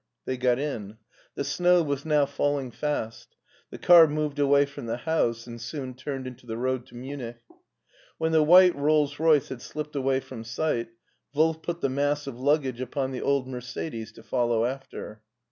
They got in. The snow was now falling fast. The car moved away from the house and soon turned into the road to Munich. When the white Rolls Royce had slipped away from sight Wolf put the mass of luggage upon the old Mercedes to follow after.